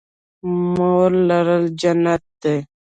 مور لرل جنت دی